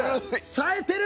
さえてる！